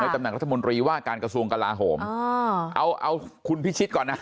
ตำแหน่งรัฐมนตรีว่าการกระทรวงกลาโหมเอาเอาคุณพิชิตก่อนนะ